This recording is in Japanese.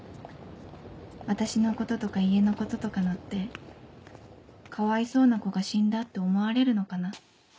私のこととか家のこととか載ってかわいそうな子が死んだって思われるのかな。